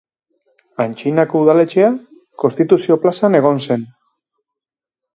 Antzinako udaletxea Konstituzio plazan egon zen.